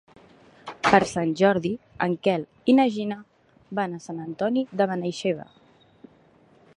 Per Sant Jordi en Quel i na Gina van a Sant Antoni de Benaixeve.